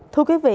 thưa quý vị